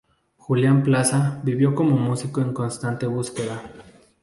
Julián Plaza vivió como músico en constante búsqueda.